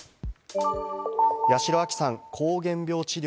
八代亜紀さん、膠原病治療。